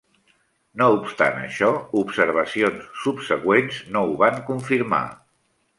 No obstant això, observacions subsegüents no ho van confirmar.